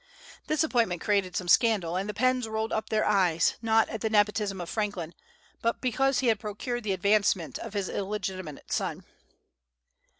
This appointment created some scandal, and the Penns rolled up their eyes, not at the nepotism of Franklin, but because he had procured the advancement of his illegitimate son.